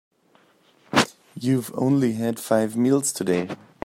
You've only had five meals today.